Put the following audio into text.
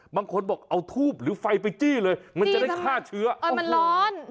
บางคนบอกเอาทูบหรือไฟไปจี้เลยมันจะได้ฆ่าเชื้อเออมันร้อน